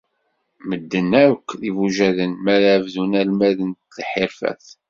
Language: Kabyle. Medden akk d ibujaden mi ara bdun almad n lḥirfat.